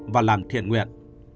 và làm thiện nguyện